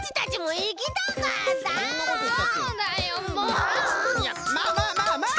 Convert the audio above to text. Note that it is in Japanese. いやまあまあまあまあ！